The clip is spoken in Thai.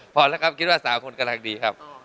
พอแล้วครับคิดว่า๓คนกำลังดีครับ